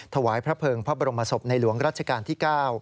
ถวายพระเภิงพระบรมศพในหลวงรัชกาลที่๙